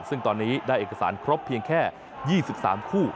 ซึ่งตอนนี้ได้เอกสารครบเพียงแค่๒๓คู่